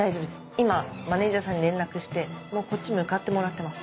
今マネジャーさんに連絡してもうこっち向かってもらってます。